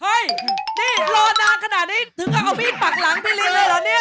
นี่รอนานขนาดนี้ถึงเอามีดปักหลังพี่ลินเลยเหรอเนี่ย